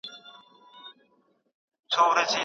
موږ تر اوسه په اروپا کې د بېکارۍ بیمه نه لرو.